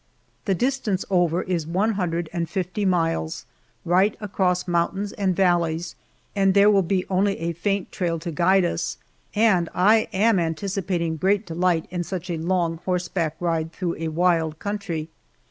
The distance over is one hundred and fifty miles right across mountains and valleys, and there will be only a faint trail to guide us, and I am anticipating great delight in such a long horseback ride through a wild country.